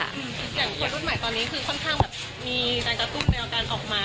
อย่างคนรุ่นใหม่ตอนนี้คือค่อนข้างแบบมีการกระตุ้นแนวการออกมา